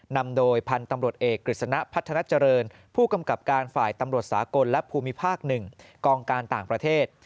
นำโดยพันธุ์ตำรวจเอกกฤษณะพัฒนาเจริญผู้กำกับการฝ่ายตำรวจสากลและภูมิภาค๑กองการต่างประเทศ